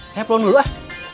saya pelun dulu ah